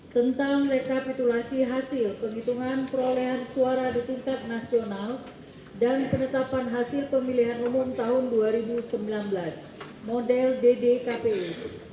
tentang rekapitulasi hasil penghitungan perolehan suara di tingkat nasional dan penetapan hasil pemilihan umum tahun dua ribu sembilan belas model ddkpu